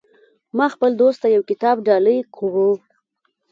ما خپل دوست ته یو کتاب ډالۍ کړو